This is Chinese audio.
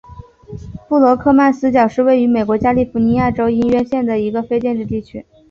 布罗克曼斯角是位于美国加利福尼亚州因约县的一个非建制地区。